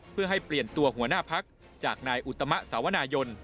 เพื่อให้เปลี่ยนตัวหัวหน้าพักจากนายอุตมะสาวนายน